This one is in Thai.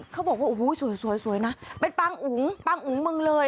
เขาบอกว่าโอ้โหสวยนะเป็นปางอุ๋งปางอุ๋งมึงเลย